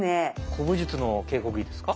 古武術の稽古着ですか？